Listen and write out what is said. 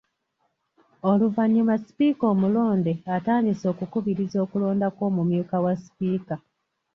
Oluvannyuma Sipiika omulonde atandise okukubiriza okulonda kw’Omumyuka wa Sipiika.